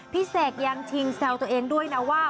เสกยังชิงแซวตัวเองด้วยนะว่า